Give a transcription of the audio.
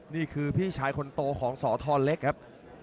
นี่คือพี่ชายคนโตของสอทรเล็กครับ